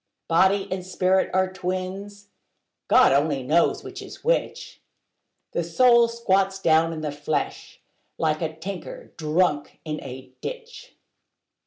Body and spirit are twins: God only knows which is which: The soul squats down in the flesh, like a tinker drunk in a ditch.